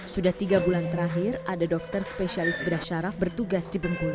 sudah tiga bulan terakhir ada dokter spesialis bedah syaraf bertugas di bengkulu